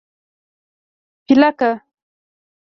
🦃 پېلک